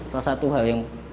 salah satu hal yang